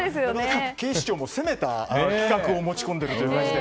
警視庁も、攻めた企画を持ち込んでいる感じで。